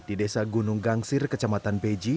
di desa gunung gangsir di desa gunung gangsir